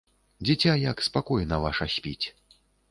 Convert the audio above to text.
Дзіця як спакойна ваша спіць.